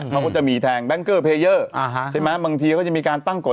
เขาก็จะมีแทงแบงคเกอร์เพเยอร์ใช่ไหมบางทีก็จะมีการตั้งกฎ